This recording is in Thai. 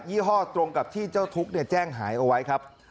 ี่ห้อตรงกับที่เจ้าทุกข์แจ้งหายเอาไว้ครับ